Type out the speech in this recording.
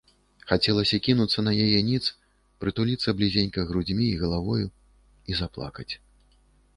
Хацелася кінуцца на яе ніц, прытуліцца блізенька грудзьмі і галавою і заплакаць.